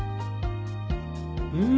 うん！